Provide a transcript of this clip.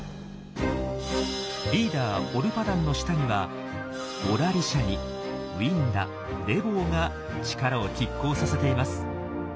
リーダーオルパダンの下にはオラリシャニウィンダレボーが力を拮抗させています。